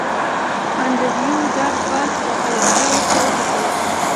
انډریو ډاټ باس په حیرانتیا ورته وکتل